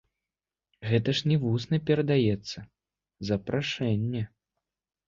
Гэта ж не вусна перадаецца, запрашэнне.